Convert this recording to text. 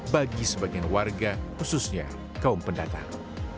bagi sebagian warga khususnya kaum pendatang